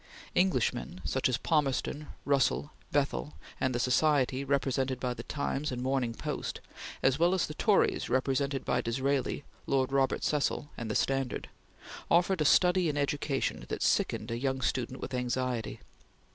Englishmen, such as Palmerston, Russell, Bethell, and the society represented by the Times and Morning Post, as well as the Tories represented by Disraeli, Lord Robert Cecil, and the Standard, offered a study in education that sickened a young student with anxiety.